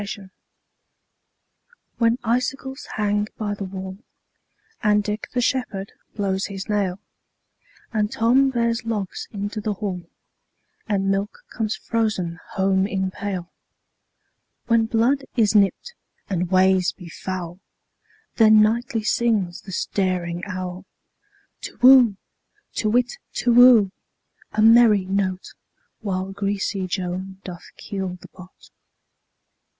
Winter WHEN icicles hang by the wallAnd Dick the shepherd blows his nail, And Tom bears logs into the hall, And milk comes frozen home in pail; When blood is nipt, and ways be foul, Then nightly sings the staring owlTu whoo! To whit, Tu whoo! A merry note! While greasy Joan doth keel the pot.